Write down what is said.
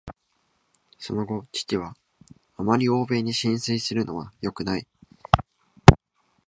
その後、父は「あまり欧米に心酔するのはよくない」